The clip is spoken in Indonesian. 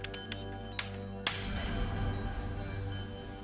terima kasih pak haji